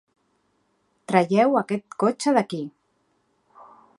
Traieu aquest cotxe d'aquí!